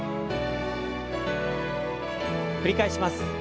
繰り返します。